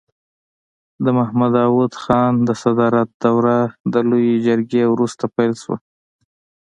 د محمد داود خان د صدارت دوره د لويې جرګې وروسته پیل شوه.